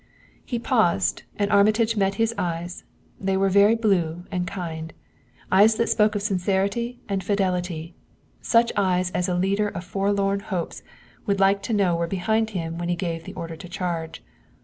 He paused, and Armitage met his eyes; they were very blue and kind, eyes that spoke of sincerity and fidelity, such eyes as a leader of forlorn hopes would like to know were behind him when he gave the order to charge.